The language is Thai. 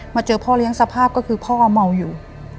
เจอพ่อเลี้ยงสภาพก็คือพ่อเมาอยู่